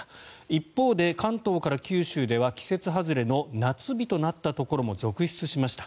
一方で、関東から九州では季節外れの夏日となったところも続出しました。